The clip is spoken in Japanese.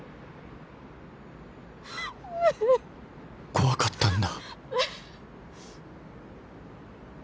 怖かったんだ